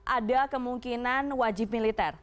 ada kemungkinan wajib militer